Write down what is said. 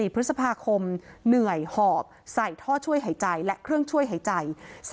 ๔พฤษภาคมเหนื่อยหอบใส่ท่อช่วยหายใจและเครื่องช่วยหายใจ